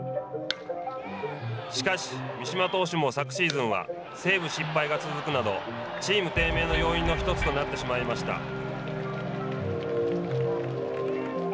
しかし三嶋投手も昨シーズンはセーブ失敗が続くなどチーム低迷の要因の１つとなってしまいました。